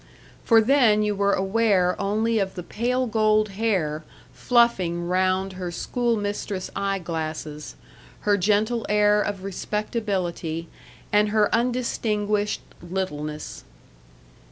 For then you were aware only of the pale gold hair fluffing round her school mistress eye glasses, her gentle air of respectability, and her undistinguished littleness.